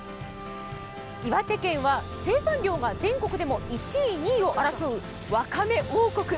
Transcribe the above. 岩手県は、生産量が全国でも１位、２位を争うわかめ王国。